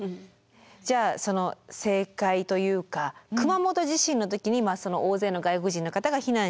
じゃあその正解というか熊本地震の時に大勢の外国人の方が避難した国際交流会館。